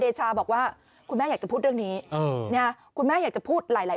คดีของคุณบอสอยู่วิทยาคุณบอสอยู่วิทยาคุณบอสอยู่ความเร็วของรถเปลี่ยน